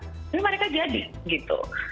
terus mereka jadi gitu